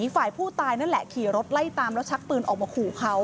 ฝ่ายผู้ตายนั่นแหละขี่รถไล่ตามแล้วชักปืนออกมาขู่เขา